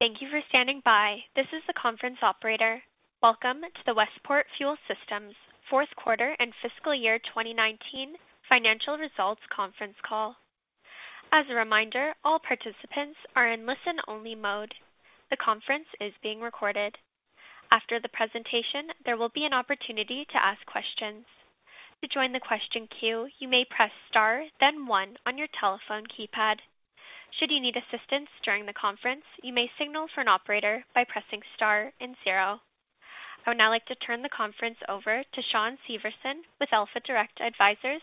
Thank you for standing by. This is the conference operator. Welcome to the Westport Fuel Systems Fourth Quarter and Fiscal Year 2019 Financial Results Conference Call. As a reminder, all participants are in listen-only mode. The conference is being recorded. After the presentation, there will be an opportunity to ask questions. To join the question queue, you may press star then one on your telephone keypad. Should you need assistance during the conference, you may signal for an operator by pressing star and zero. I would now like to turn the conference over to Shawn Severson with alphaDIRECT ADVISORS,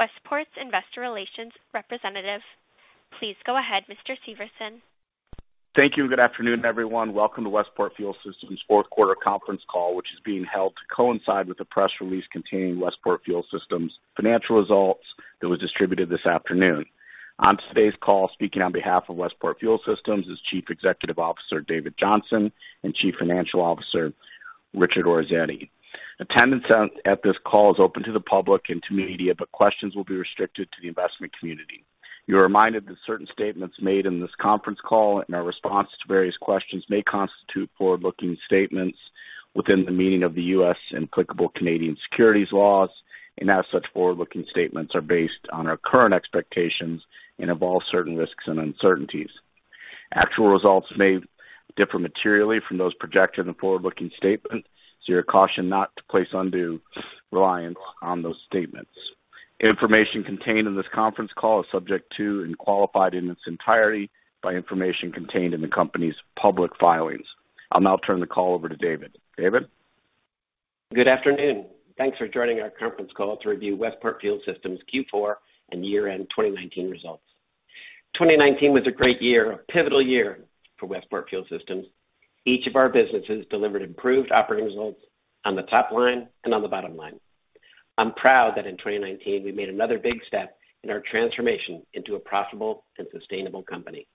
Westport's investor relations representative. Please go ahead, Mr. Severson. Thank you. Good afternoon, everyone. Welcome to Westport Fuel Systems Fourth Quarter Conference Call, which is being held to coincide with the press release containing Westport Fuel Systems financial results that was distributed this afternoon. On today's call, speaking on behalf of Westport Fuel Systems is Chief Executive Officer, David Johnson, and Chief Financial Officer, Richard Orazietti. Attendance at this call is open to the public and to media. Questions will be restricted to the investment community. You're reminded that certain statements made in this conference call and our response to various questions may constitute forward-looking statements within the meaning of the U.S. and applicable Canadian securities laws. As such, forward-looking statements are based on our current expectations and involve certain risks and uncertainties. Actual results may differ materially from those projected in the forward-looking statement. You're cautioned not to place undue reliance on those statements. Information contained in this conference call is subject to and qualified in its entirety by information contained in the company's public filings. I'll now turn the call over to David. David? Good afternoon. Thanks for joining our conference call to review Westport Fuel Systems Q4 and year-end 2019 results. 2019 was a great year, a pivotal year for Westport Fuel Systems. Each of our businesses delivered improved operating results on the top line and on the bottom line. I'm proud that in 2019, we made another big step in our transformation into a profitable and sustainable company,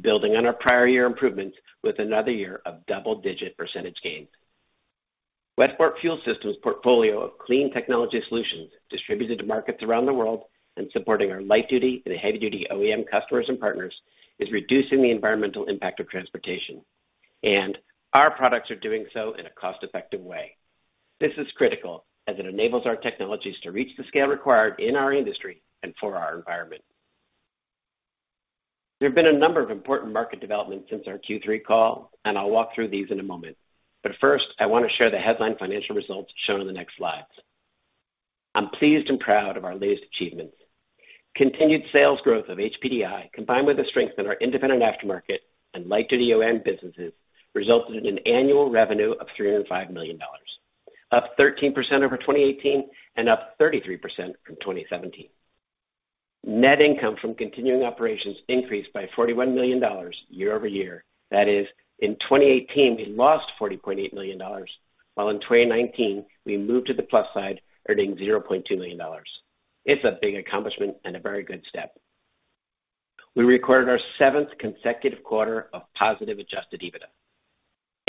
building on our prior year improvements with another year of double-digit percentage gains. Westport Fuel Systems portfolio of clean technology solutions distributed to markets around the world and supporting our light-duty and heavy-duty OEM customers and partners is reducing the environmental impact of transportation, and our products are doing so in a cost-effective way. This is critical as it enables our technologies to reach the scale required in our industry and for our environment. There have been a number of important market developments since our Q3 call, and I'll walk through these in a moment. First, I want to share the headline financial results shown in the next slides. I'm pleased and proud of our latest achievements. Continued sales growth of HPDI, combined with the strength in our independent aftermarket and light-duty OEM businesses, resulted in an annual revenue of $305 million, up 13% over 2018 and up 33% from 2017. Net income from continuing operations increased by $41 million year-over-year. That is, in 2018, we lost $40.8 million, while in 2019, we moved to the plus side, earning $0.2 million. It's a big accomplishment and a very good step. We recorded our seventh consecutive quarter of positive adjusted EBITDA,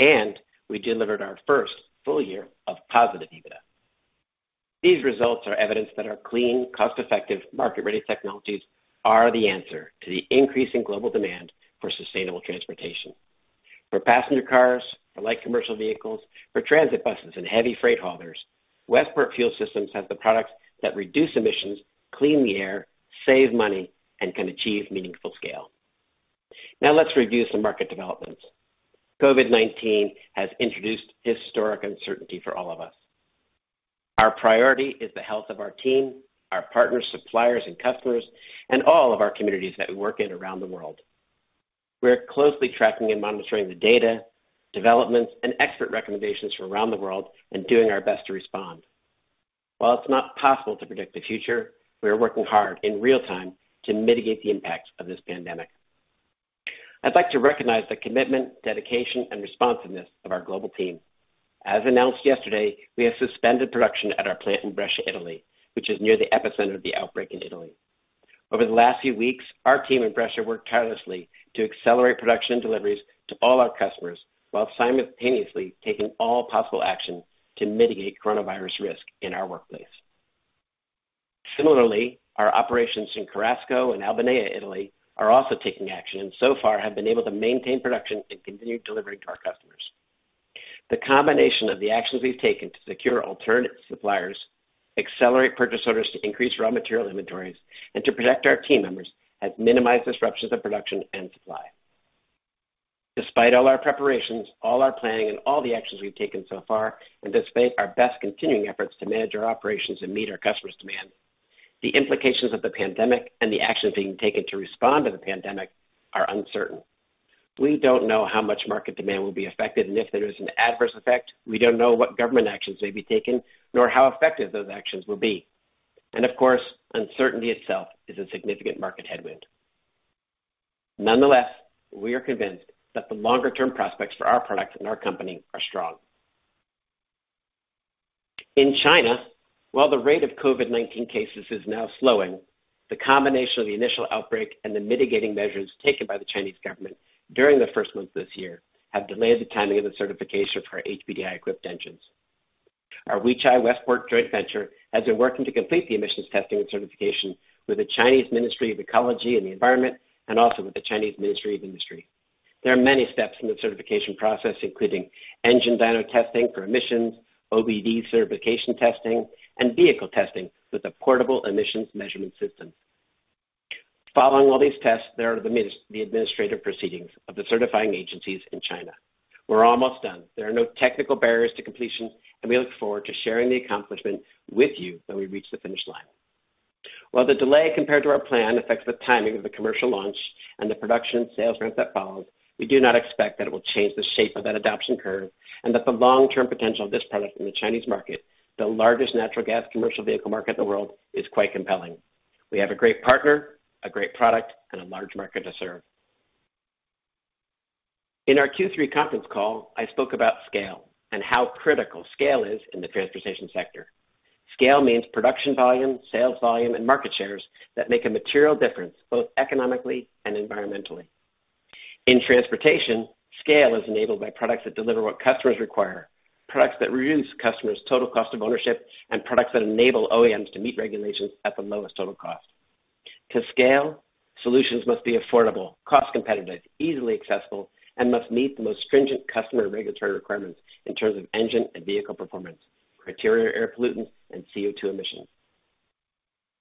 and we delivered our first full year of positive EBITDA. These results are evidence that our clean, cost-effective, market-ready technologies are the answer to the increasing global demand for sustainable transportation. For passenger cars, for light commercial vehicles, for transit buses, and heavy freight haulers, Westport Fuel Systems has the products that reduce emissions, clean the air, save money, and can achieve meaningful scale. Now let's review some market developments. COVID-19 has introduced historic uncertainty for all of us. Our priority is the health of our team, our partners, suppliers and customers, and all of our communities that we work in around the world. We're closely tracking and monitoring the data, developments, and expert recommendations from around the world and doing our best to respond. While it's not possible to predict the future, we are working hard in real-time to mitigate the impacts of this pandemic. I'd like to recognize the commitment, dedication, and responsiveness of our global team. As announced yesterday, we have suspended production at our plant in Brescia, Italy, which is near the epicenter of the outbreak in Italy. Over the last few weeks, our team in Brescia worked tirelessly to accelerate production and deliveries to all our customers while simultaneously taking all possible action to mitigate coronavirus risk in our workplace. Similarly, our operations in Cherasco and Albinea, Italy, are also taking action and so far have been able to maintain production and continue delivering to our customers. The combination of the actions we've taken to secure alternate suppliers, accelerate purchase orders to increase raw material inventories, and to protect our team members has minimized disruptions of production and supply. Despite all our preparations, all our planning, and all the actions we've taken so far, and despite our best continuing efforts to manage our operations and meet our customers' demand, the implications of the pandemic and the actions being taken to respond to the pandemic are uncertain. We don't know how much market demand will be affected, and if there is an adverse effect, we don't know what government actions may be taken, nor how effective those actions will be. Of course, uncertainty itself is a significant market headwind. Nonetheless, we are convinced that the longer-term prospects for our products and our company are strong. In China, while the rate of COVID-19 cases is now slowing, the combination of the initial outbreak and the mitigating measures taken by the Chinese government during the first months of this year have delayed the timing of the certification for our HPDI-equipped engines. Our Weichai Westport joint venture has been working to complete the emissions testing and certification with the Chinese Ministry of Ecology and Environment, and also with the Chinese Ministry of Industry. There are many steps in the certification process, including engine dyno testing for emissions, OBD certification testing, and vehicle testing with a portable emissions measurement system. Following all these tests, there are the administrative proceedings of the certifying agencies in China. We're almost done. There are no technical barriers to completion, and we look forward to sharing the accomplishment with you when we reach the finish line. While the delay compared to our plan affects the timing of the commercial launch and the production and sales ramp that follows, we do not expect that it will change the shape of that adoption curve and that the long-term potential of this product in the Chinese market, the largest natural gas commercial vehicle market in the world, is quite compelling. We have a great partner, a great product, and a large market to serve. In our Q3 conference call, I spoke about scale and how critical scale is in the transportation sector. Scale means production volume, sales volume, and market shares that make a material difference, both economically and environmentally. In transportation, scale is enabled by products that deliver what customers require, products that reduce customers' total cost of ownership, and products that enable OEMs to meet regulations at the lowest total cost. To scale, solutions must be affordable, cost competitive, easily accessible, and must meet the most stringent customer regulatory requirements in terms of engine and vehicle performance, criteria air pollutants, and CO2 emissions.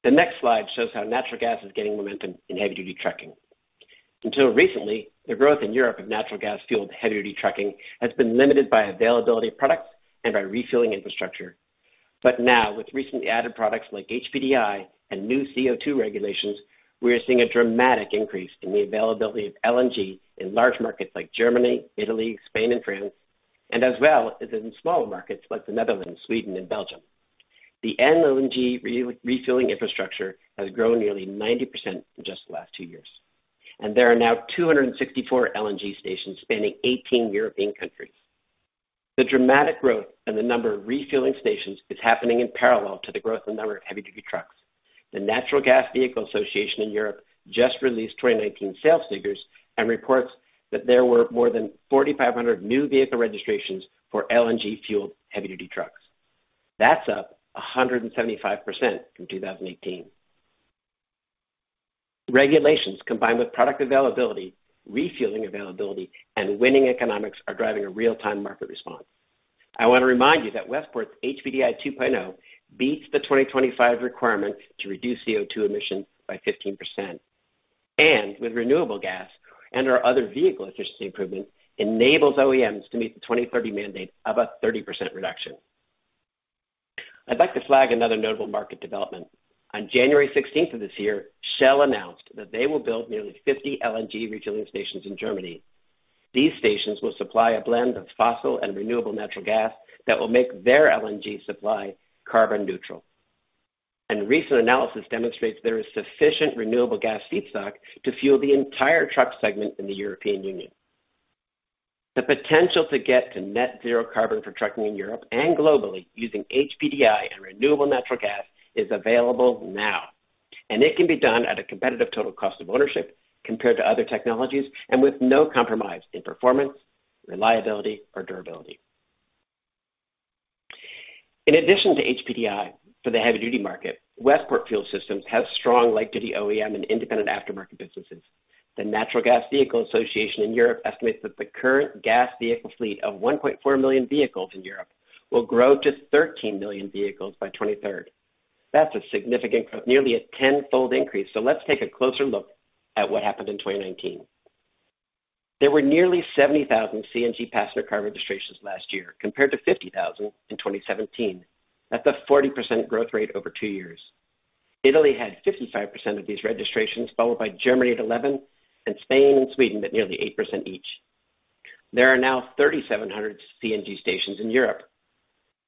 The next slide shows how natural gas is gaining momentum in heavy-duty trucking. Until recently, the growth in Europe of natural gas fueled heavy-duty trucking has been limited by availability of products and by refueling infrastructure. Now, with recently added products like HPDI and new CO2 regulations, we are seeing a dramatic increase in the availability of LNG in large markets like Germany, Italy, Spain, and France, and as well as in smaller markets like the Netherlands, Sweden, and Belgium. The LNG refueling infrastructure has grown nearly 90% in just the last two years, and there are now 264 LNG stations spanning 18 European countries. The dramatic growth in the number of refueling stations is happening in parallel to the growth in the number of heavy-duty trucks. The Natural & bio Gas Vehicle Association in Europe just released 2019 sales figures and reports that there were more than 4,500 new vehicle registrations for LNG fueled heavy-duty trucks. That's up 175% from 2018. Regulations combined with product availability, refueling availability, and winning economics are driving a real-time market response. I want to remind you that Westport's HPDI 2.0 beats the 2025 requirement to reduce CO2 emissions by 15%. With renewable gas and our other vehicle efficiency improvements, enables OEMs to meet the 2030 mandate of a 30% reduction. I'd like to flag another notable market development. On January 16th of this year, Shell announced that they will build nearly 50 LNG retailing stations in Germany. These stations will supply a blend of fossil and renewable natural gas that will make their LNG supply carbon neutral. Recent analysis demonstrates there is sufficient renewable gas feedstock to fuel the entire truck segment in the European Union. The potential to get to net zero carbon for trucking in Europe and globally using HPDI and renewable natural gas is available now, and it can be done at a competitive total cost of ownership compared to other technologies, and with no compromise in performance, reliability, or durability. In addition to HPDI for the heavy-duty market, Westport Fuel Systems has strong light-duty OEM and independent aftermarket businesses. The Natural Gas Vehicle Association in Europe estimates that the current gas vehicle fleet of 1.4 million vehicles in Europe will grow to 13 million vehicles by 2030. That's a significant growth, nearly a tenfold increase. Let's take a closer look at what happened in 2019. There were nearly 70,000 CNG passenger car registrations last year, compared to 50,000 in 2017. That's a 40% growth rate over two years. Italy had 55% of these registrations, followed by Germany at 11%, and Spain and Sweden at nearly 8% each. There are now 3,700 CNG stations in Europe.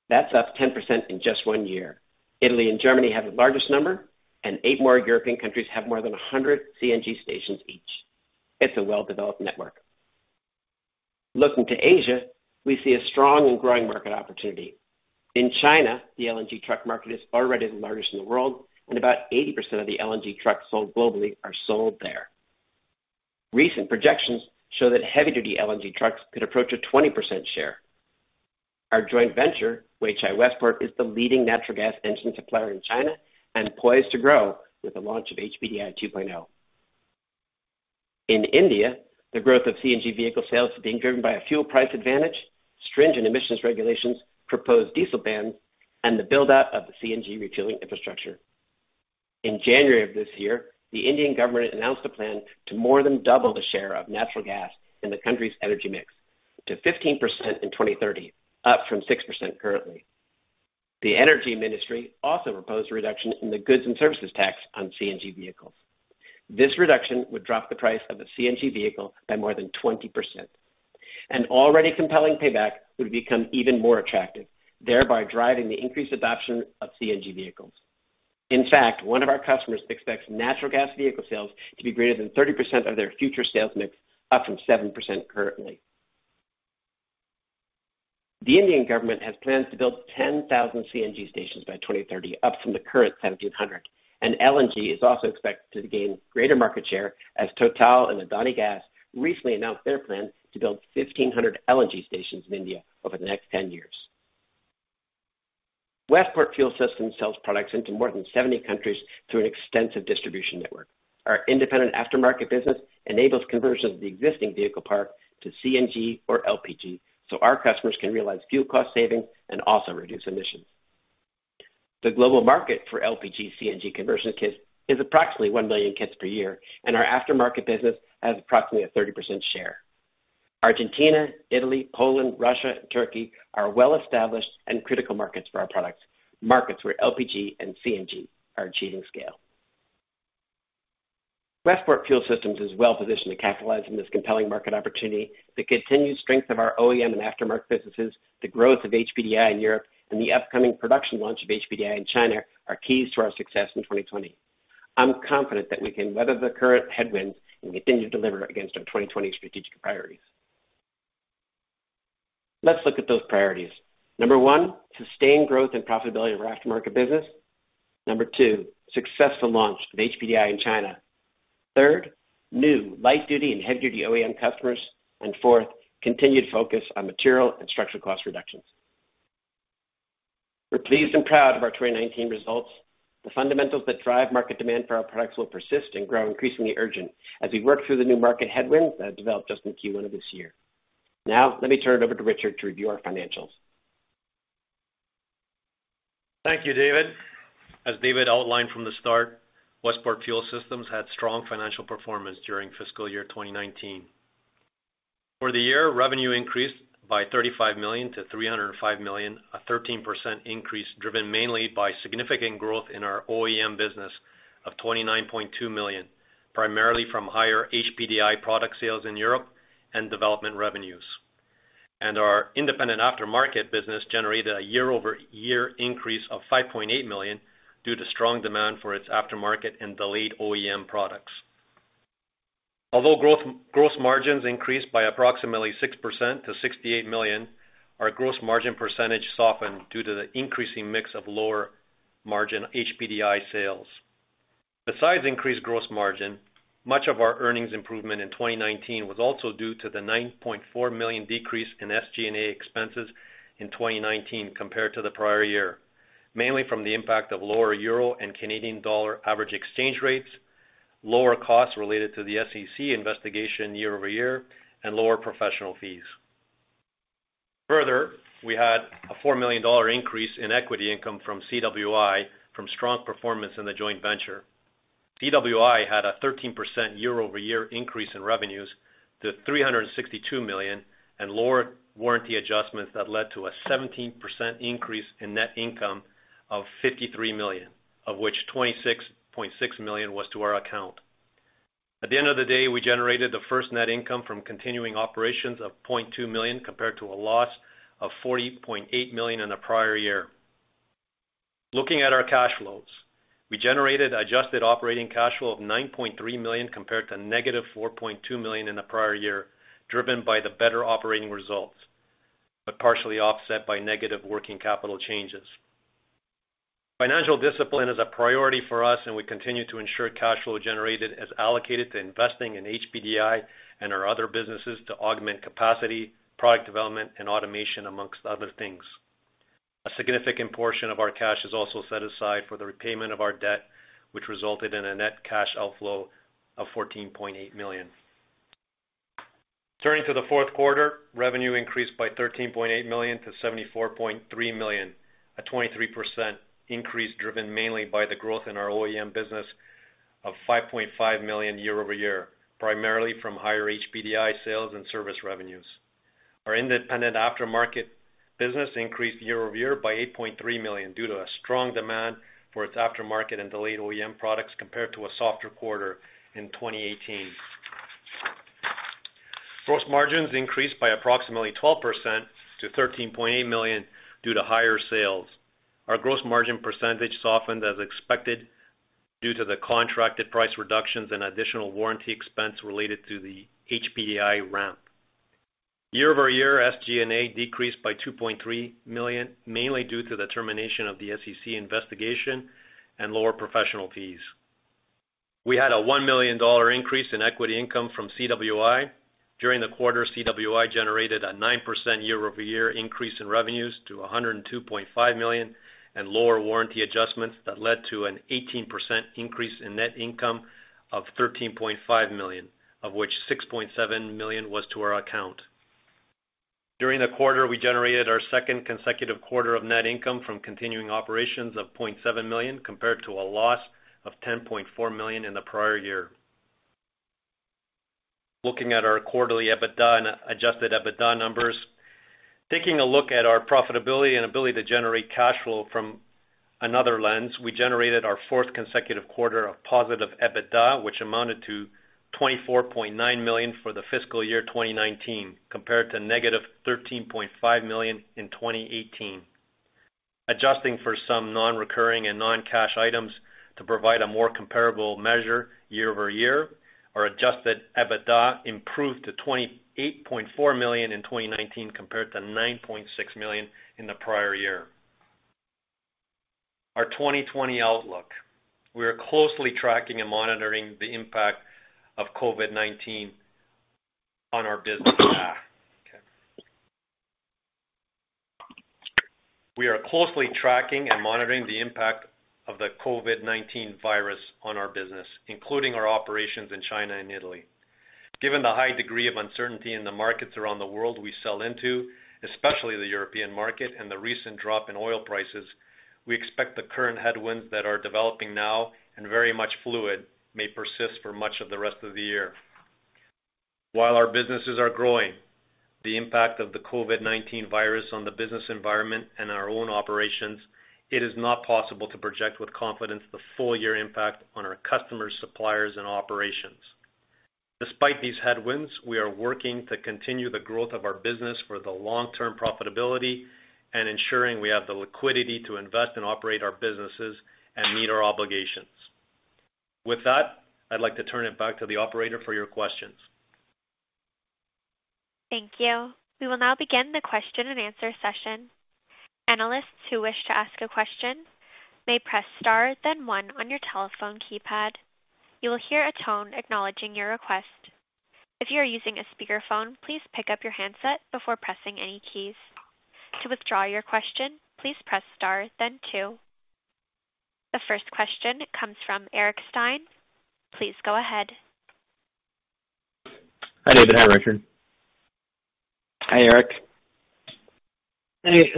That's up 10% in just one year. Italy and Germany have the largest number, and eight more European countries have more than 100 CNG stations each. It's a well-developed network. Looking to Asia, we see a strong and growing market opportunity. In China, the LNG truck market is already the largest in the world, and about 80% of the LNG trucks sold globally are sold there. Recent projections show that heavy-duty LNG trucks could approach a 20% share. Our joint venture, Weichai Westport, is the leading natural gas engine supplier in China and poised to grow with the launch of HPDI 2.0. In India, the growth of CNG vehicle sales is being driven by a fuel price advantage, stringent emissions regulations, proposed diesel bans, and the build-out of the CNG refueling infrastructure. In January of this year, the Indian government announced a plan to more than double the share of natural gas in the country's energy mix to 15% in 2030, up from 6% currently. The energy industry also proposed a reduction in the goods and services tax on CNG vehicles. This reduction would drop the price of a CNG vehicle by more than 20%. An already compelling payback would become even more attractive, thereby driving the increased adoption of CNG vehicles. In fact, one of our customers expects natural gas vehicle sales to be greater than 30% of their future sales mix, up from 7% currently. The Indian government has plans to build 10,000 CNG stations by 2030, up from the current 1,700. LNG is also expected to gain greater market share as Total and Adani Gas recently announced their plans to build 1,500 LNG stations in India over the next 10 years. Westport Fuel Systems sells products into more than 70 countries through an extensive distribution network. Our independent aftermarket business enables conversion of the existing vehicle park to CNG or LPG, so our customers can realize fuel cost savings and also reduce emissions. The global market for LPG, CNG conversion kits is approximately 1 million kits per year, and our aftermarket business has approximately a 30% share. Argentina, Italy, Poland, Russia, and Turkey are well established and critical markets for our products, markets where LPG and CNG are achieving scale. Westport Fuel Systems is well positioned to capitalize on this compelling market opportunity. The continued strength of our OEM and aftermarket businesses, the growth of HPDI in Europe, and the upcoming production launch of HPDI in China are keys to our success in 2020. I'm confident that we can weather the current headwinds and continue to deliver against our 2020 strategic priorities. Let's look at those priorities. Number one, sustained growth and profitability of our aftermarket business. Number two, successful launch of HPDI in China. Third, new light duty and heavy duty OEM customers. Fourth, continued focus on material and structural cost reductions. We're pleased and proud of our 2019 results. The fundamentals that drive market demand for our products will persist and grow increasingly urgent as we work through the new market headwinds that have developed just in Q1 of this year. Now, let me turn it over to Richard to review our financials. Thank you, David. As David outlined from the start, Westport Fuel Systems had strong financial performance during fiscal year 2019. For the year, revenue increased by $35 million to $305 million, a 13% increase driven mainly by significant growth in our OEM business of $29.2 million, primarily from higher HPDI product sales in Europe and development revenues. Our independent aftermarket business generated a year-over-year increase of $5.8 million due to strong demand for its aftermarket and delayed OEM products. Although gross margins increased by approximately 6% to $68 million, our gross margin percentage softened due to the increasing mix of lower margin HPDI sales. Besides increased gross margin, much of our earnings improvement in 2019 was also due to the $9.4 million decrease in SG&A expenses in 2019 compared to the prior year, mainly from the impact of lower euro and Canadian dollar average exchange rates, lower costs related to the SEC investigation year-over-year, and lower professional fees. Further, we had a $4 million increase in equity income from CWI from strong performance in the joint venture. CWI had a 13% year-over-year increase in revenues to $362 million and lower warranty adjustments that led to a 17% increase in net income of $53 million, of which $26.6 million was to our account. At the end of the day, we generated the first net income from continuing operations of $0.2 million compared to a loss of $40.8 million in the prior year. Looking at our cash flows, we generated adjusted operating cash flow of $9.3 million compared to -$4.2 million in the prior year, driven by the better operating results, but partially offset by negative working capital changes. Financial discipline is a priority for us, and we continue to ensure cash flow generated is allocated to investing in HPDI and our other businesses to augment capacity, product development, and automation, amongst other things. A significant portion of our cash is also set aside for the repayment of our debt, which resulted in a net cash outflow of $14.8 million. Turning to the fourth quarter, revenue increased by $13.8 million to $74.3 million, a 23% increase driven mainly by the growth in our OEM business of $5.5 million year-over-year, primarily from higher HPDI sales and service revenues. Our independent aftermarket business increased year-over-year by $8.3 million due to a strong demand for its aftermarket and delayed OEM products compared to a softer quarter in 2018. Gross margins increased by approximately 12% to $13.8 million due to higher sales. Our gross margin percentage softened as expected due to the contracted price reductions and additional warranty expense related to the HPDI ramp. Year-over-year, SG&A decreased by $2.3 million, mainly due to the termination of the SEC investigation and lower professional fees. We had a $1 million increase in equity income from CWI. During the quarter, CWI generated a 9% year-over-year increase in revenues to $102.5 million and lower warranty adjustments that led to an 18% increase in net income of $13.5 million, of which $6.7 million was to our account. During the quarter, we generated our second consecutive quarter of net income from continuing operations of $0.7 million compared to a loss of $10.4 million in the prior year. Looking at our quarterly EBITDA and adjusted EBITDA numbers. Taking a look at our profitability and ability to generate cash flow from another lens, we generated our fourth consecutive quarter of positive EBITDA, which amounted to $24.9 million for the fiscal year 2019, compared to -$13.5 million in 2018. Adjusting for some non-recurring and non-cash items to provide a more comparable measure year-over-year, our adjusted EBITDA improved to $28.4 million in 2019 compared to $9.6 million in the prior year. Our 2020 outlook. We are closely tracking and monitoring the impact of COVID-19 on our business. We are closely tracking and monitoring the impact of the COVID-19 virus on our business, including our operations in China and Italy. Given the high degree of uncertainty in the markets around the world we sell into, especially the European market and the recent drop in oil prices, we expect the current headwinds that are developing now and very much fluid may persist for much of the rest of the year. While our businesses are growing, the impact of the COVID-19 virus on the business environment and our own operations, it is not possible to project with confidence the full year impact on our customers, suppliers, and operations. Despite these headwinds, we are working to continue the growth of our business for the long-term profitability and ensuring we have the liquidity to invest and operate our businesses and meet our obligations. With that, I'd like to turn it back to the operator for your questions. Thank you. We will now begin the question and answer session. Analysts who wish to ask a question may press star then one on your telephone keypad. You will hear a tone acknowledging your request. If you are using a speakerphone, please pick up your handset before pressing any keys. To withdraw your question, please press star then two. The first question comes from Eric Stine. Please go ahead. Hi, David. Hi, Richard. Hi, Eric. Hey.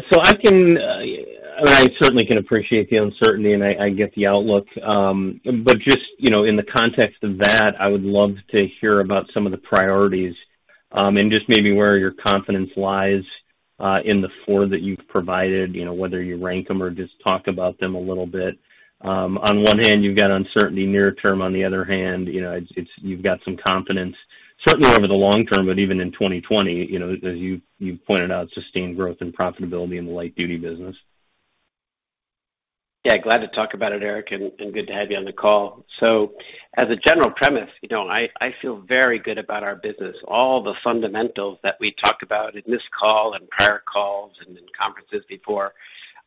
I certainly can appreciate the uncertainty, and I get the outlook. Just in the context of that, I would love to hear about some of the priorities, and just maybe where your confidence lies, in the four that you've provided, whether you rank them or just talk about them a little bit. On one hand, you've got uncertainty near term, on the other hand, you've got some confidence, certainly over the long term, but even in 2020, as you've pointed out sustained growth and profitability in the light duty business. Yeah. Glad to talk about it, Eric, and good to have you on the call. As a general premise, I feel very good about our business. All the fundamentals that we talk about in this call and prior calls and in conferences before,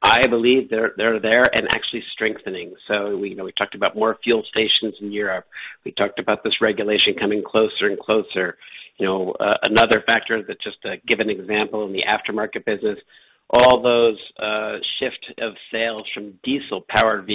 I believe they're there and actually strengthening. We talked about more fuel stations in Europe. We talked about this regulation coming closer and closer. Another factor that just to give an example in the aftermarket business, all those shifts of sales from diesel-powered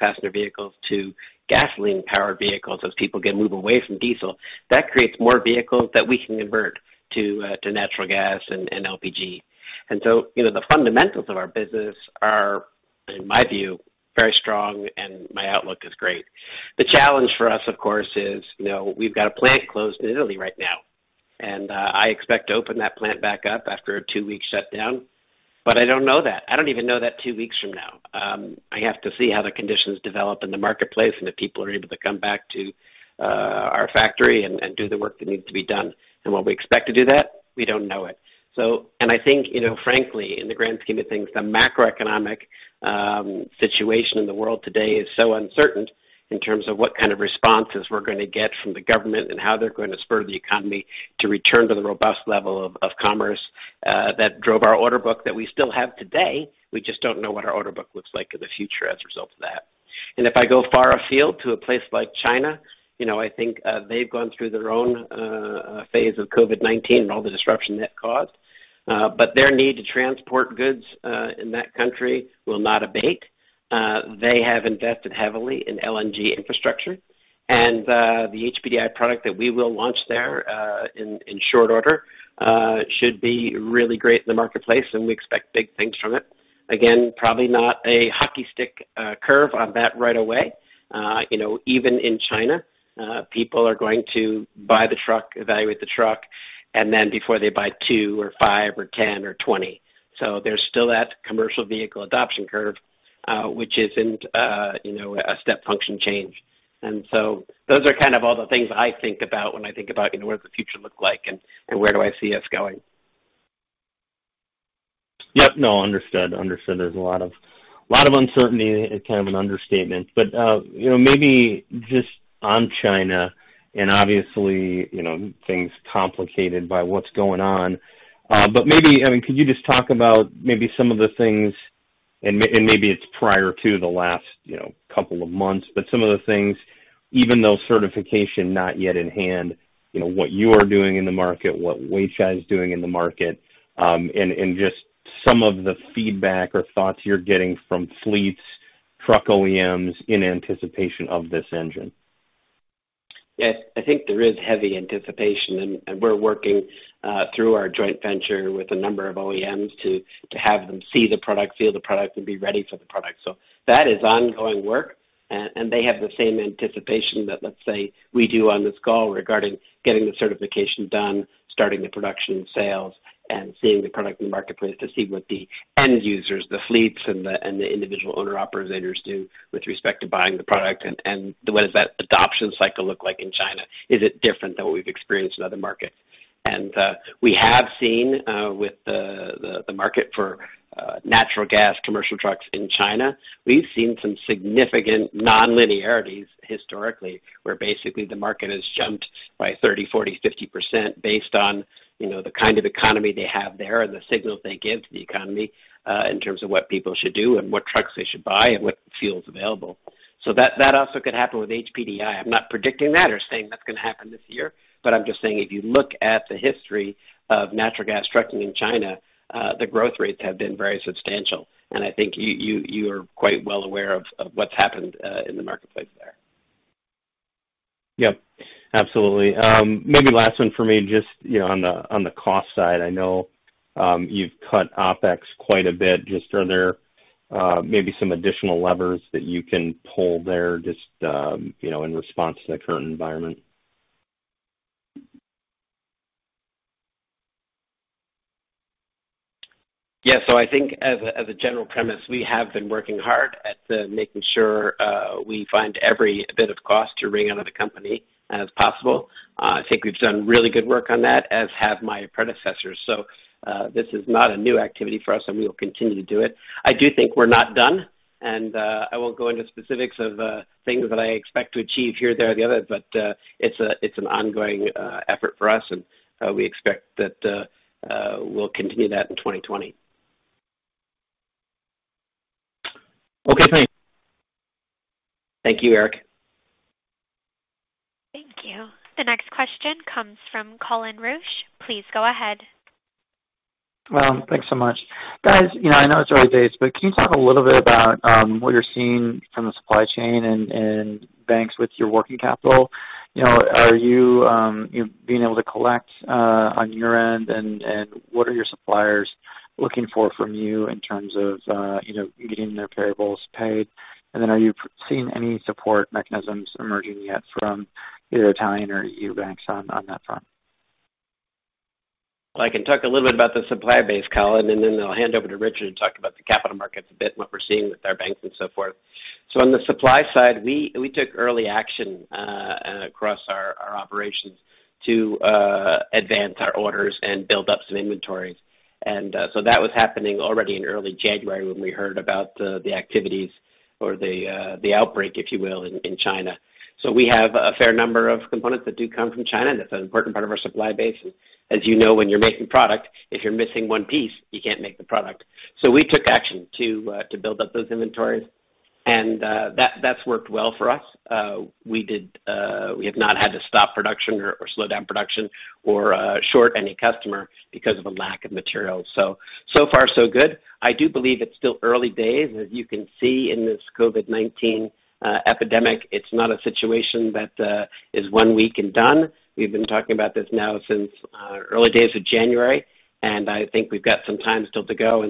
passenger vehicles to gasoline-powered vehicles as people move away from diesel, that creates more vehicles that we can convert to natural gas and LPG. The fundamentals of our business are, in my view, very strong, and my outlook is great. The challenge for us, of course, is we've got a plant closed in Italy right now, and I expect to open that plant back up after a two-week shutdown. I don't know that. I don't even know that two weeks from now. I have to see how the conditions develop in the marketplace and if people are able to come back to our factory and do the work that needs to be done. Will we expect to do that? We don't know it. I think, frankly, in the grand scheme of things, the macroeconomic situation in the world today is so uncertain in terms of what kind of responses we're going to get from the government and how they're going to spur the economy to return to the robust level of commerce that drove our order book that we still have today. We just don't know what our order book looks like in the future as a result of that. If I go far afield to a place like China, I think they've gone through their own phase of COVID-19 and all the disruption that caused. Their need to transport goods in that country will not abate. They have invested heavily in LNG infrastructure, and the HPDI product that we will launch there in short order should be really great in the marketplace, and we expect big things from it. Again, probably not a hockey stick curve on that right away. Even in China, people are going to buy the truck, evaluate the truck, and then before they buy two or five or 10 or 20. There's still that commercial vehicle adoption curve, which isn't a step function change. Those are kind of all the things I think about when I think about what does the future look like and where do I see us going. Yep. No, understood. There's a lot of uncertainty, it's kind of an understatement. Maybe just on China and obviously, things complicated by what's going on. Could you just talk about maybe some of the things, and maybe it's prior to the last couple of months, but some of the things, even though certification not yet in hand, what you are doing in the market, what Weichai is doing in the market, and just some of the feedback or thoughts you're getting from fleets, truck OEMs in anticipation of this engine? I think there is heavy anticipation and we're working through our joint venture with a number of OEMs to have them see the product, feel the product, and be ready for the product. That is ongoing work, and they have the same anticipation that let's say we do on this call regarding getting the certification done, starting the production sales, and seeing the product in the marketplace to see what the end users, the fleets, and the individual owner-operators do with respect to buying the product and what does that adoption cycle look like in China. Is it different than what we've experienced in other markets? We have seen with the market for natural gas commercial trucks in China, we've seen some significant non-linearities historically, where basically the market has jumped by 30%, 40%, 50% based on the kind of economy they have there and the signals they give to the economy in terms of what people should do and what trucks they should buy and what fuel is available. That also could happen with HPDI. I'm not predicting that or saying that's going to happen this year, but I'm just saying if you look at the history of natural gas trucking in China, the growth rates have been very substantial, and I think you are quite well aware of what's happened in the marketplace there. Yep, absolutely. Maybe last one for me, just on the cost side. I know you've cut OpEx quite a bit. Just are there maybe some additional levers that you can pull there, just in response to the current environment? I think as a general premise, we have been working hard at making sure we find every bit of cost to wring out of the company as possible. I think we've done really good work on that, as have my predecessors. This is not a new activity for us, and we will continue to do it. I do think we're not done, and I won't go into specifics of things that I expect to achieve here, there, or the other, but it's an ongoing effort for us, and we expect that we'll continue that in 2020. Okay, thanks. Thank you, Eric. Thank you. The next question comes from Colin Rusch. Please go ahead. Well, thanks so much. Guys, I know it's early days, but can you talk a little bit about what you're seeing from the supply chain and banks with your working capital? Are you being able to collect on your end? What are your suppliers looking for from you in terms of getting their payables paid? Are you seeing any support mechanisms emerging yet from either Italian or EU banks on that front? I can talk a little bit about the supply base, Colin, and then I'll hand over to Richard to talk about the capital markets a bit and what we're seeing with our banks and so forth. On the supply side, we took early action across our operations to advance our orders and build up some inventories. That was happening already in early January when we heard about the activities or the outbreak, if you will, in China. We have a fair number of components that do come from China, and that's an important part of our supply base. As you know, when you're making product, if you're missing one piece, you can't make the product. We took action to build up those inventories, and that's worked well for us. We have not had to stop production or slow down production or short any customer because of a lack of materials. So far so good. I do believe it's still early days. As you can see in this COVID-19 epidemic, it's not a situation that is one week and done. We've been talking about this now since early days of January, and I think we've got some time still to go.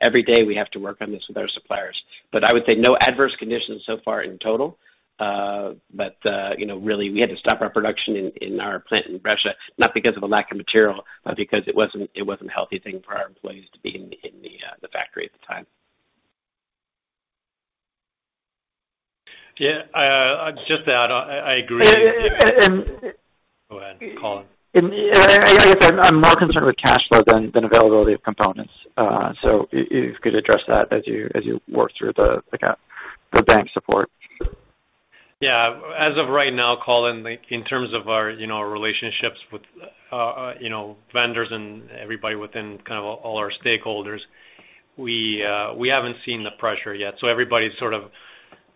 Every day we have to work on this with our suppliers. I would say no adverse conditions so far in total. Really, we had to stop our production in our plant in Brescia, not because of a lack of material, but because it wasn't a healthy thing for our employees to be in the factory at the time. Yeah. Just to add on, I agree. And- Go ahead, Colin. I guess I'm more concerned with cash flow than availability of components. If you could address that as you work through the bank support. As of right now, Colin, in terms of our relationships with vendors and everybody within all our stakeholders, we haven't seen the pressure yet. Everybody, sort of,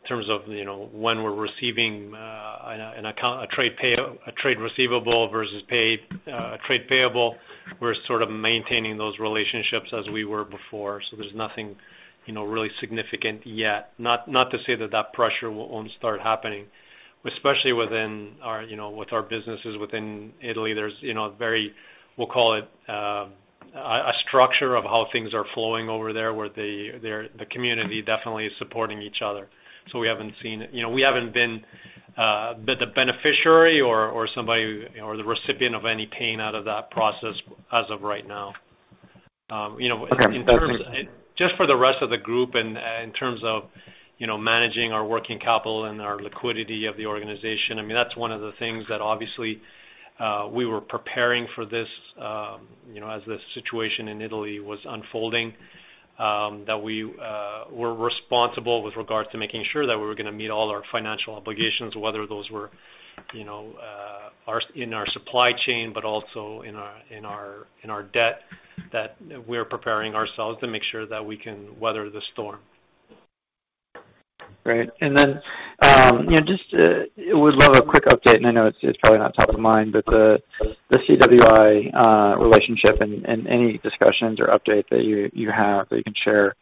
in terms of when we're receiving a trade receivable versus trade payable, we're sort of maintaining those relationships as we were before. There's nothing really significant yet. Not to say that that pressure won't start happening, especially with our businesses within Italy. There's very, we'll call it, a structure of how things are flowing over there, where the community definitely is supporting each other. We haven't been the beneficiary or the recipient of any pain out of that process as of right now. Okay. That's good. Just for the rest of the group and in terms of managing our working capital and our liquidity of the organization, that's one of the things that obviously we were preparing for this as the situation in Italy was unfolding. We were responsible with regards to making sure that we were going to meet all our financial obligations, whether those were in our supply chain, but also in our debt, that we're preparing ourselves to make sure that we can weather the storm. Great. Just would love a quick update, and I know it's probably not top of mind, but the CWI relationship and any discussions or updates that you have that you can share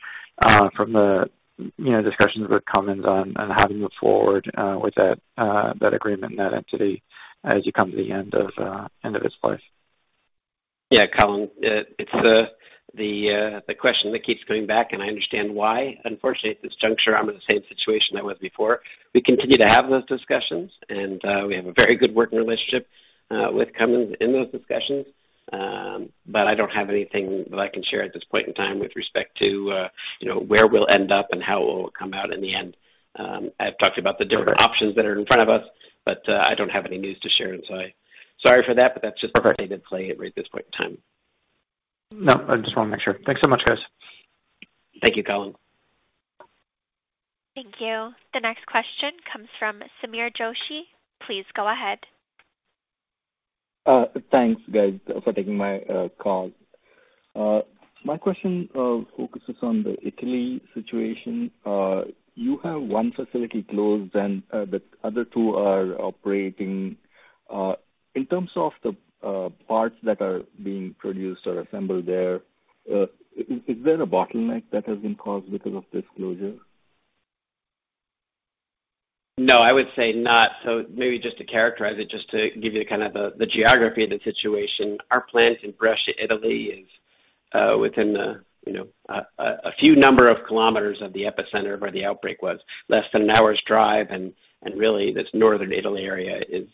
from the discussions with Cummins on how to move forward with that agreement and that entity as you come to the end of its place. Yeah, Colin, it's the question that keeps coming back, and I understand why. Unfortunately, at this juncture, I'm in the same situation I was before. We continue to have those discussions, and we have a very good working relationship with Cummins in those discussions. I don't have anything that I can share at this point in time with respect to where we'll end up and how it will come out in the end. I've talked about the different options that are in front of us, but I don't have any news to share. Sorry for that, but that's just. Perfect the state of play at this point in time. No, I just want to make sure. Thanks so much, guys. Thank you, Colin. Thank you. The next question comes from Sameer Joshi. Please go ahead. Thanks, guys, for taking my call. My question focuses on the Italy situation. You have one facility closed and the other two are operating. In terms of the parts that are being produced or assembled there, is there a bottleneck that has been caused because of this closure? No, I would say not. Maybe just to characterize it, just to give you the geography of the situation. Our plant in Brescia, Italy is within a few number of kilometers of the epicenter of where the outbreak was, less than an hour's drive, and really this Northern Italy area is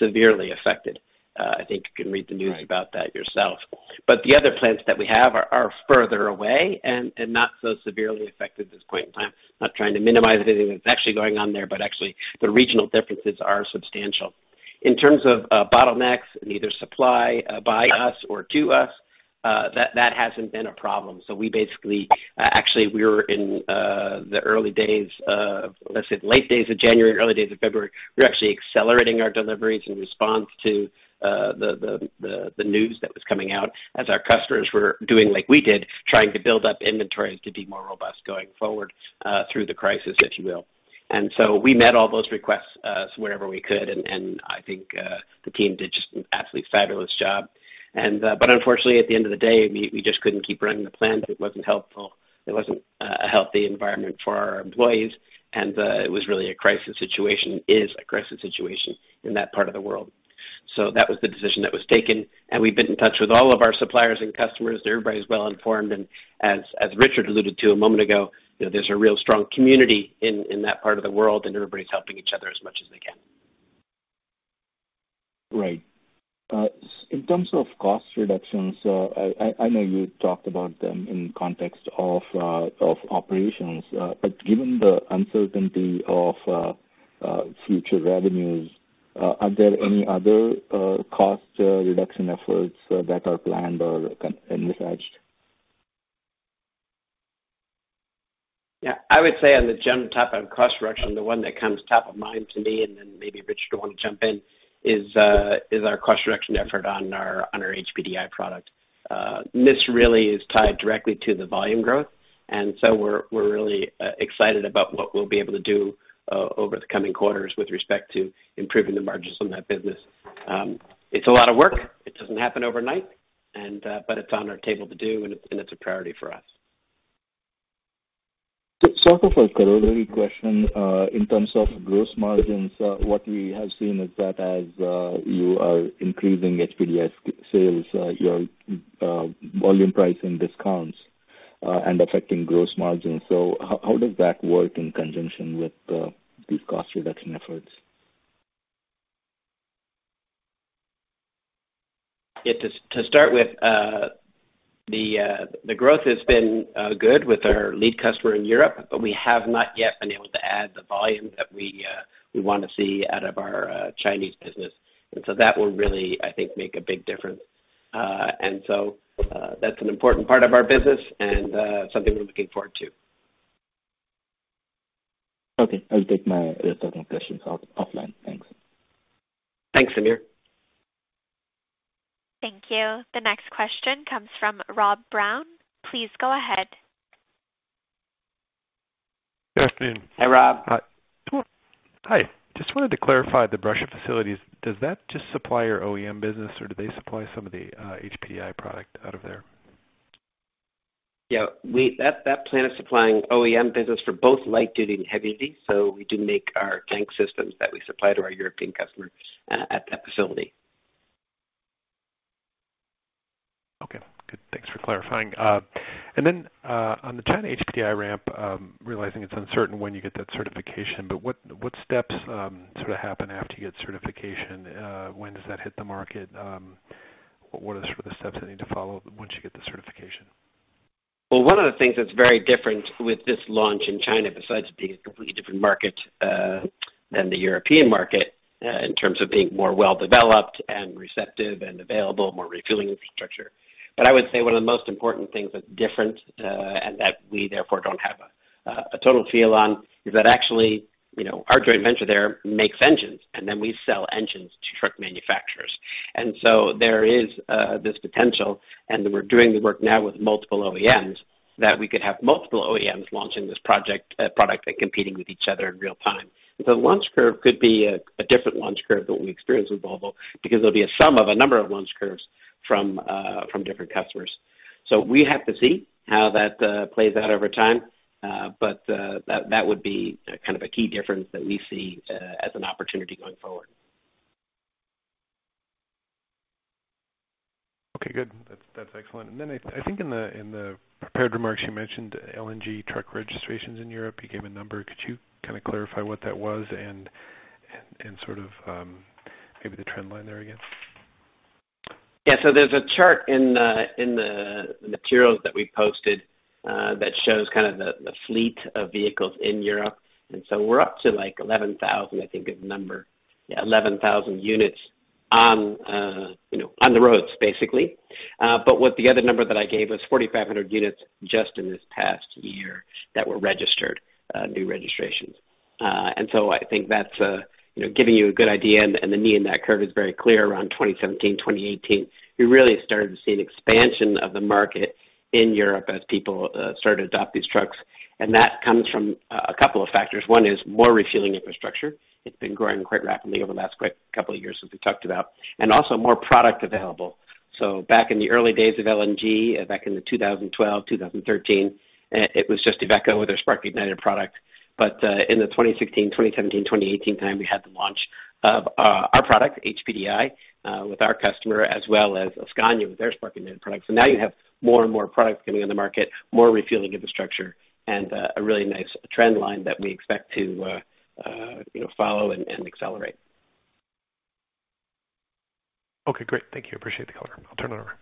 severely affected. I think you can read the news about that yourself. The other plants that we have are further away and not so severely affected at this point in time. Not trying to minimize anything that's actually going on there, but actually the regional differences are substantial. In terms of bottlenecks in either supply by us or to us, that hasn't been a problem. We basically, actually we were in the early days of, let's say, late days of January, early days of February, we were actually accelerating our deliveries in response to the news that was coming out as our customers were doing like we did, trying to build up inventories to be more robust going forward, through the crisis, if you will. We met all those requests wherever we could, and I think the team did just an absolutely fabulous job. Unfortunately, at the end of the day, we just couldn't keep running the plant. It wasn't helpful. It wasn't a healthy environment for our employees, and it was really a crisis situation, is a crisis situation in that part of the world. That was the decision that was taken, and we've been in touch with all of our suppliers and customers. Everybody's well-informed, and as Richard alluded to a moment ago, there's a real strong community in that part of the world, and everybody's helping each other as much as they can. Right. In terms of cost reductions, I know you talked about them in context of operations, but given the uncertainty of future revenues, are there any other cost reduction efforts that are planned or envisaged? I would say on the general topic of cost reduction, the one that comes top of mind to me, then maybe Richard will want to jump in, is our cost reduction effort on our HPDI product. This really is tied directly to the volume growth, so we're really excited about what we'll be able to do over the coming quarters with respect to improving the margins on that business. It's a lot of work. It doesn't happen overnight. It's on our table to do, and it's a priority for us. Sort of a corollary question, in terms of gross margins, what we have seen is that as you are increasing HPDI sales, your volume pricing discounts and affecting gross margins. How does that work in conjunction with these cost reduction efforts? To start with, the growth has been good with our lead customer in Europe, but we have not yet been able to add the volume that we want to see out of our Chinese business. That will really, I think, make a big difference. That's an important part of our business and something we're looking forward to. Okay. I'll take my remaining questions offline. Thanks. Thanks, Sameer. Thank you. The next question comes from Rob Brown. Please go ahead. Good afternoon. Hey, Rob. Hi. Just wanted to clarify the Brescia facilities, does that just supply your OEM business, or do they supply some of the HPDI product out of there? That plant is supplying OEM business for both light duty and heavy duty. We do make our tank systems that we supply to our European customers at that facility. Okay, good. Thanks for clarifying. On the China HPDI ramp, realizing it's uncertain when you get that certification, but what steps sort of happen after you get certification? When does that hit the market? What are the sort of steps that need to follow once you get the certification? Well, one of the things that's very different with this launch in China, besides it being a completely different market than the European market in terms of being more well-developed and receptive and available, more refueling infrastructure. I would say one of the most important things that's different, and that we therefore don't have a total feel on, is that actually our joint venture there makes engines, and then we sell engines to truck manufacturers. There is this potential, and we're doing the work now with multiple OEMs, that we could have multiple OEMs launching this product and competing with each other in real time. The launch curve could be a different launch curve than we experienced with Volvo because there'll be a sum of a number of launch curves from different customers. We have to see how that plays out over time. That would be kind of a key difference that we see as an opportunity going forward. Okay, good. That's excellent. Then I think in the prepared remarks, you mentioned LNG truck registrations in Europe. You gave a number. Could you kind of clarify what that was and sort of maybe the trend line there again. There's a chart in the materials that we posted, that shows the fleet of vehicles in Europe. We're up to 11,000, I think, is the number. 11,000 units on the roads, basically. What the other number that I gave was 4,500 units just in this past year that were registered, new registrations. I think that's giving you a good idea and the knee in that curve is very clear around 2017/2018. We really started to see an expansion of the market in Europe as people started to adopt these trucks. That comes from a couple of factors. One is more refueling infrastructure. It's been growing quite rapidly over the last quite couple of years, as we talked about, and also more product available. Back in the early days of LNG, back in 2012/2013, it was just Iveco with their spark-ignited product. In the 2016, 2017, 2018 time, we had the launch of our product, HPDI, with our customer, as well as Scania with their spark-ignited product. Now you have more and more products coming on the market, more refueling infrastructure, and a really nice trend line that we expect to follow and accelerate. Okay, great. Thank you. Appreciate the color. I'll turn it over.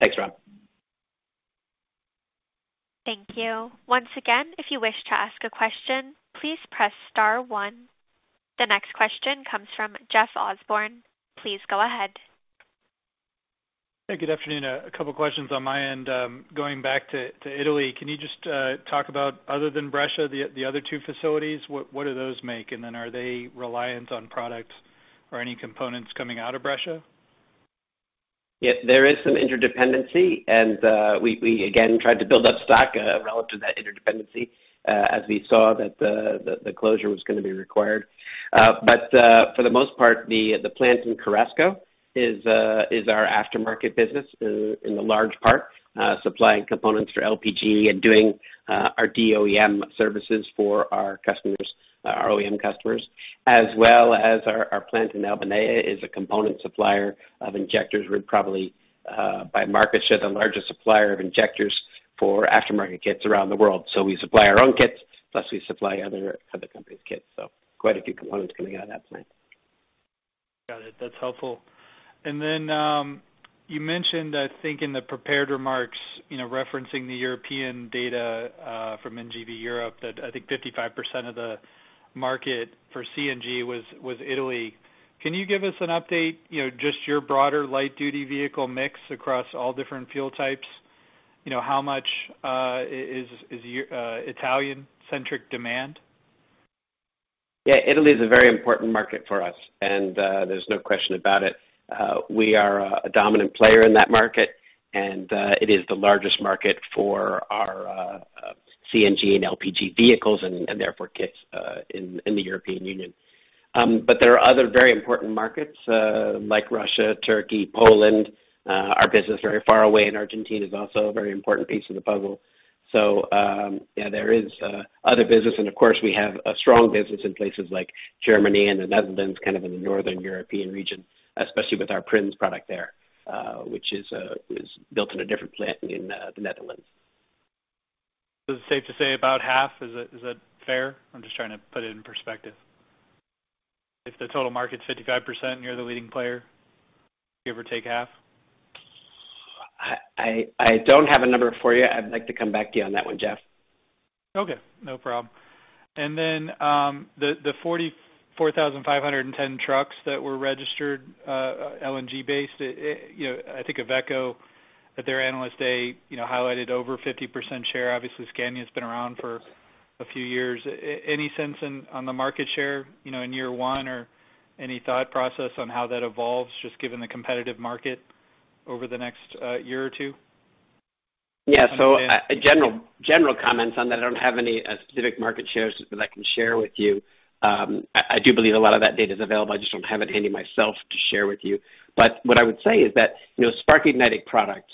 Thanks, Rob. Thank you. Once again, if you wish to ask a question, please press star one. The next question comes from Jeff Osborne. Please go ahead. Hey, good afternoon. A couple questions on my end. Going back to Italy, can you just talk about other than Brescia, the other two facilities, what do those make? Are they reliant on product or any components coming out of Brescia? Yeah, there is some interdependency and we, again, tried to build up stock relative to that interdependency, as we saw that the closure was going to be required. For the most part, the plant in Cherasco is our aftermarket business in the large part, supplying components for LPG and doing our DOEM services for our OEM customers, as well as our plant in Albinea is a component supplier of injectors. We're probably, by market share, the largest supplier of injectors for aftermarket kits around the world. We supply our own kits, plus we supply other companies' kits. Quite a few components coming out of that plant. Got it. That's helpful. Then, you mentioned, I think in the prepared remarks, referencing the European data, from NGVA Europe that I think 55% of the market for CNG was Italy. Can you give us an update, just your broader light duty vehicle mix across all different fuel types? How much is Italian centric demand? Italy is a very important market for us and there's no question about it. We are a dominant player in that market, it is the largest market for our CNG and LPG vehicles and therefore kits, in the European Union. There are other very important markets, like Russia, Turkey, Poland. Our business very far away in Argentina is also a very important piece of the puzzle. There is other business, of course, we have a strong business in places like Germany and the Netherlands, kind of in the northern European region, especially with our Prins product there, which is built in a different plant in the Netherlands. Is it safe to say about half? Is that fair? I'm just trying to put it in perspective. If the total market's 55%, and you're the leading player, give or take half. I don't have a number for you. I'd like to come back to you on that one, Jeff. Okay, no problem. The 4,510 trucks that were registered, LNG based, I think Iveco at their Analyst Day highlighted over 50% share. Obviously Scania's been around for a few years. Any sense on the market share in year one or any thought process on how that evolves, just given the competitive market over the next year or two? General comments on that. I don't have any specific market shares that I can share with you. I do believe a lot of that data's available. I just don't have it handy myself to share with you. What I would say is that spark-ignited product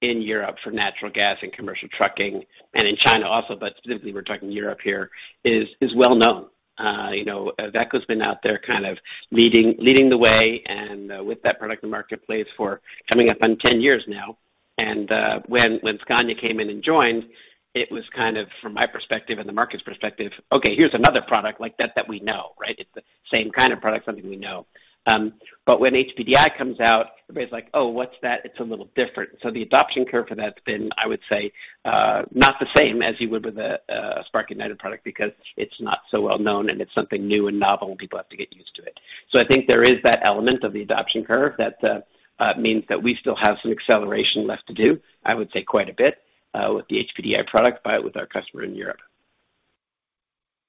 in Europe for natural gas and commercial trucking, and in China also, but specifically we're talking Europe here, is well known. IVECO's been out there kind of leading the way and with that product in the marketplace for coming up on 10 years now. When Scania came in and joined, it was kind of from my perspective and the market's perspective, okay, here's another product like that that we know, right? It's the same kind of product, something we know. When HPDI comes out, everybody's like, "Oh, what's that. It's a little different. The adoption curve for that's been, I would say, not the same as you would with a spark-ignited product because it's not so well known and it's something new and novel and people have to get used to it. I think there is that element of the adoption curve that means that we still have some acceleration left to do, I would say quite a bit, with the HPDI product, with our customer in Europe.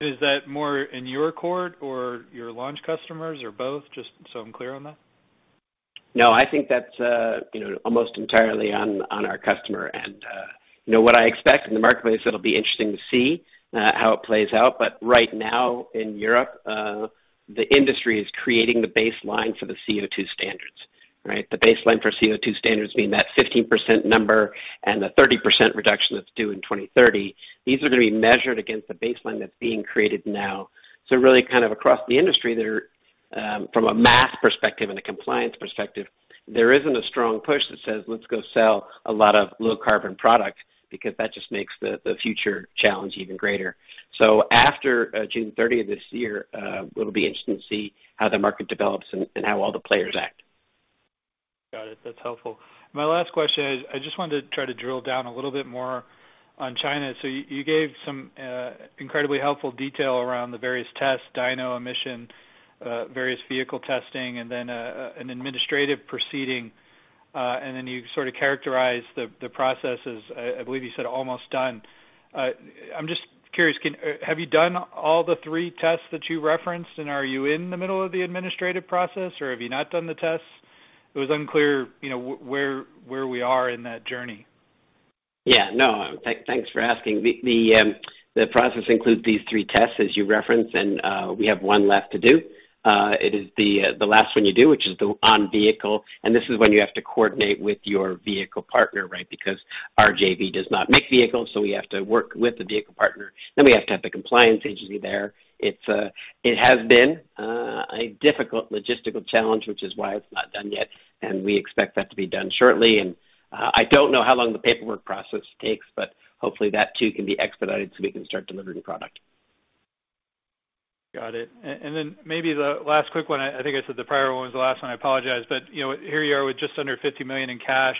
Is that more in your court or your launch customers or both? Just so I'm clear on that. No, I think that's almost entirely on our customer. What I expect in the marketplace, it'll be interesting to see how it plays out, but right now in Europe, the industry is creating the baseline for the CO2 standards, right? The baseline for CO2 standards being that 15% number and the 30% reduction that's due in 2030. These are going to be measured against the baseline that's being created now. Really kind of across the industry, From a mass perspective and a compliance perspective, there isn't a strong push that says, "Let's go sell a lot of low-carbon product," because that just makes the future challenge even greater. After June 30th this year, it'll be interesting to see how the market develops and how all the players act. Got it. That's helpful. My last question is, I just wanted to try to drill down a little bit more on China. You gave some incredibly helpful detail around the various tests, dyno emission, various vehicle testing, and then an administrative proceeding. You sort of characterized the process as, I believe you said almost done. I'm just curious, have you done all the three tests that you referenced, and are you in the middle of the administrative process, or have you not done the tests? It was unclear where we are in that journey. Yeah. No. Thanks for asking. The process includes these three tests, as you referenced, and we have one left to do. It is the last one you do, which is the on vehicle, and this is when you have to coordinate with your vehicle partner, right? Because our JV does not make vehicles, so we have to work with the vehicle partner. We have to have the compliance agency there. It has been a difficult logistical challenge, which is why it's not done yet, and we expect that to be done shortly. I don't know how long the paperwork process takes, but hopefully that too can be expedited so we can start delivering product. Got it. Then maybe the last quick one, I think I said the prior one was the last one. I apologize. Here you are with just under $50 million in cash,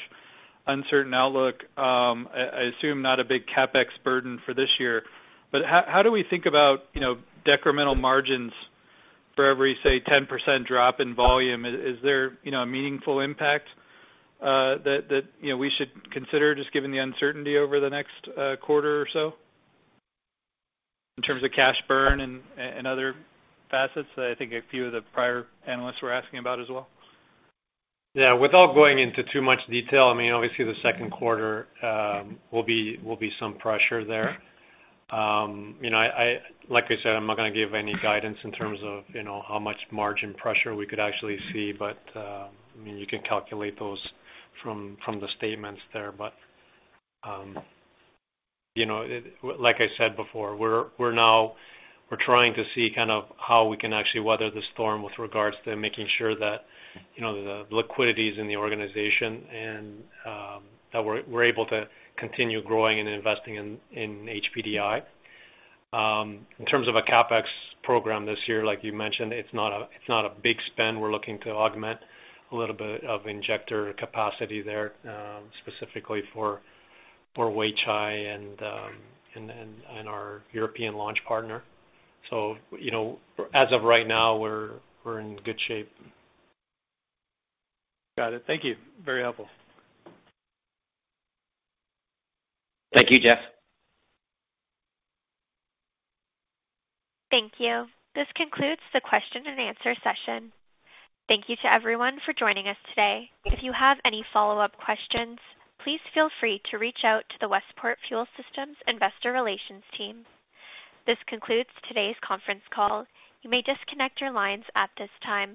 uncertain outlook. I assume not a big CapEx burden for this year. How do we think about decremental margins for every, say, 10% drop in volume? Is there a meaningful impact that we should consider, just given the uncertainty over the next quarter or so in terms of cash burn and other facets that I think a few of the prior analysts were asking about as well? Yeah. Without going into too much detail, obviously the second quarter will be some pressure there. Like I said, I'm not going to give any guidance in terms of how much margin pressure we could actually see. You can calculate those from the statements there. Like I said before, we're trying to see kind of how we can actually weather the storm with regards to making sure that the liquidity is in the organization, and that we're able to continue growing and investing in HPDI. In terms of a CapEx program this year, like you mentioned, it's not a big spend. We're looking to augment a little bit of injector capacity there, specifically for Weichai and our European launch partner. As of right now, we're in good shape. Got it. Thank you. Very helpful. Thank you, Jeff. Thank you. This concludes the question and answer session. Thank you to everyone for joining us today. If you have any follow-up questions, please feel free to reach out to the Westport Fuel Systems investor relations team. This concludes today's conference call. You may disconnect your lines at this time.